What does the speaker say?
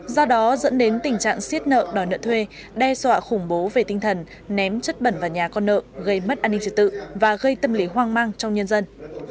do đó dẫn đến tình trạng siết nợ đòi nợ thuê đe dọa khủng bố về tinh thần ném chất bẩn vào nhà con nợ gây mất an ninh trật tự và gây tâm lý hoang mang trong nhân dân